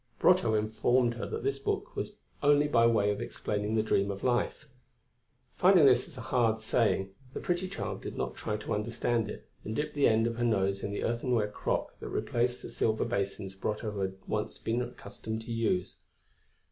Brotteaux informed her that this book was only by way of explaining the dream of life. Finding this a hard saying, the pretty child did not try to understand it and dipped the end of her nose in the earthenware crock that replaced the silver basins Brotteaux had once been accustomed to use.